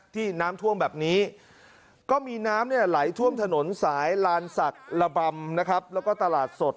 ที่น้ำท่วมแบบนี้ก็มีน้ำเนี่ยไหลท่วมถนนสายลานศักดิ์ระบำนะครับแล้วก็ตลาดสด